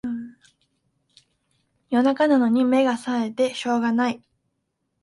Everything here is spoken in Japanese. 夜中なのに目がさえてしょうがない